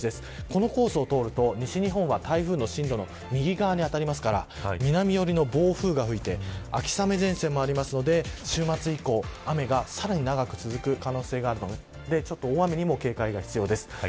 このコースを通ると西日本は台風の進路の右側に当たるので南側から暴風が吹いて秋雨前線もあるので週末以降、雨がさらに長く続く可能性がありますので大雨にも警戒が必要です。